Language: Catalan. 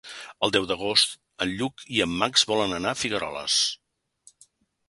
El deu d'agost en Lluc i en Max volen anar a Figueroles.